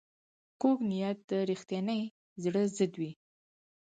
کوږ نیت د رښتیني زړه ضد وي